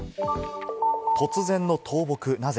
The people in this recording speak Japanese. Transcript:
突然の倒木、なぜ？